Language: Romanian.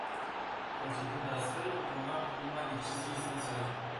Procedând astfel, vom lua prima decizie esențială.